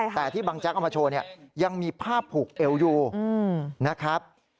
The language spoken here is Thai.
แต่ที่บางแจ๊กเอามาโชว์เนี่ยยังมีผ้าผูกเอวอยู่นะครับ